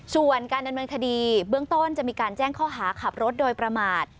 ส่วนการดำเนินคดีเบื้องต้นจะมีการแจ้งข้อหาขับรถโดยประมาท